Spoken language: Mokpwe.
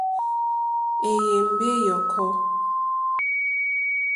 Èyémbé ǃyɔ́kɔ́.